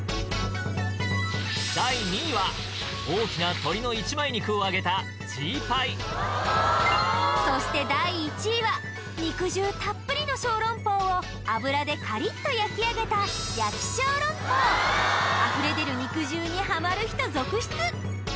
第２位は大きな鶏の一枚肉を揚げたそして第１位は肉汁たっぷりの小籠包を油でカリッと焼き上げたあふれ出る肉汁にハマる人続出